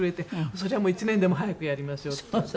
そりゃもう１年でも早くやりましょうって。